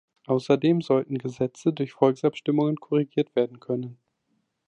Außerdem sollten Gesetze durch Volksabstimmungen korrigiert werden können.